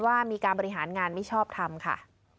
ว่ามีการบริหารงานไม่ชอบทำค่ะ